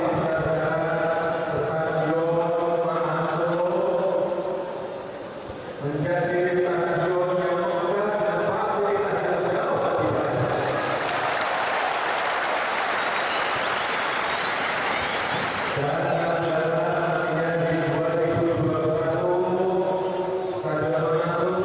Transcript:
dan kini pengelolaannya telah diserahkan kepada pemerintah kota solo